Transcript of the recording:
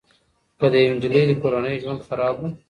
که د يوې نجلۍ کورنی ژوند خراب وو